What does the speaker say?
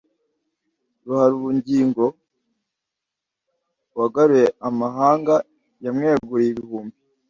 ruharabugingo wagaruye amahanga yamweguriye ibihumbi